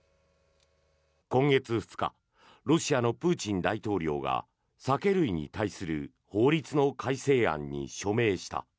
今月２日ロシアのプーチン大統領が酒類に対する法律の改正案に署名した。